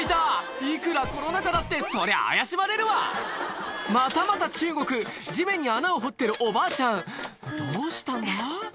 いくらコロナ禍だってそりゃ怪しまれるわまたまた中国地面に穴を掘ってるおばあちゃんどうしたんだ？